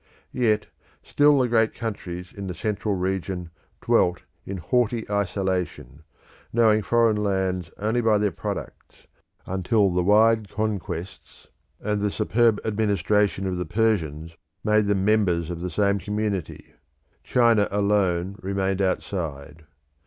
Yet, still the great countries in the central region dwelt in haughty isolation, knowing foreign lands only by their products until the wide conquests and the superb administration of the Persians made them members of the same community. China alone remained outside.